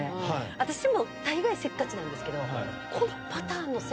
私もたいがいせっかちなんですけど。